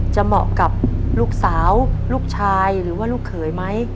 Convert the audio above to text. เหมาะกับลูกสาวลูกชายหรือว่าลูกเขยไหม